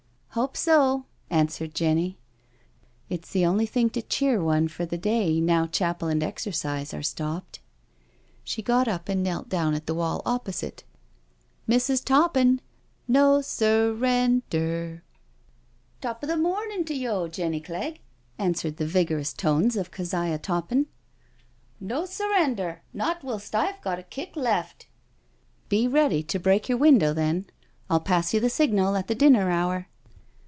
" Hope so," answered Jenny —•* it's the only thing to cheer one for the day now chapel and exercise are stopped." She got up and knelt down at the wall opposite : "Mrs. Toppin I No sur ren derl'* 256 NO SURRENDER •* Top o* the mornin' to yo', Jenny Clegg," answered the vigorous tones of Keziah Toppin. " No surrender, not whilst I've got a kick left." " Be ready to break your window, then — 111 pass you the signal at the dinner hour."